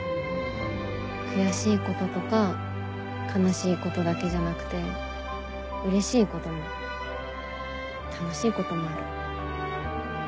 悔しいこととか悲しいことだけじゃなくてうれしいことも楽しいこともある。